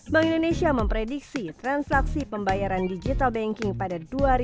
bank indonesia memprediksi transaksi pembayaran digital banking pada dua ribu dua puluh